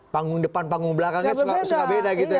panggung depan panggung belakangnya suka beda gitu ya